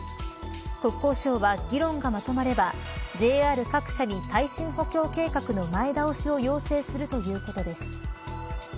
国交省は、議論がまとまればＪＲ各社に耐震補強計画の前倒しを要請するということです。